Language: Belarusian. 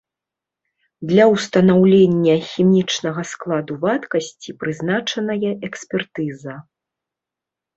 Для ўстанаўлення хімічнага складу вадкасці прызначаная экспертыза.